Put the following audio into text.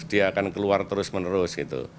dia akan keluar terus menerus gitu